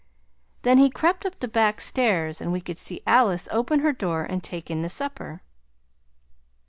Then he crept up the back stairs and we could see Alice open her door and take in the supper.